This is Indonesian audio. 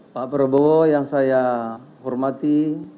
pak prabowo yang saya hormati